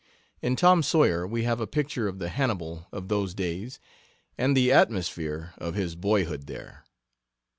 In Tom Sawyer we have a picture of the Hannibal of those days and the atmosphere of his boyhood there.